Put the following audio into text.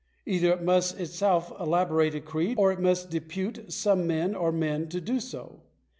Either it must itself elabo rate a creed, or it must depute some man or men to do so.